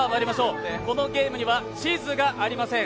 このゲームには地図がありません。